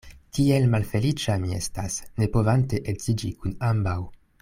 Kiel malfeliĉa mi estas, ne povante edziĝi kun ambaŭ.